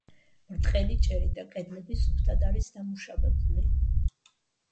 ბრტყელი ჭერი და კედლები სუფთად არის დამუშავებული.